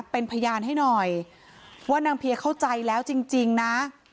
เป็นพยานให้หน่อยว่านางเพียเข้าใจแล้วจริงนะ